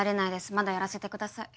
まだやらせてください。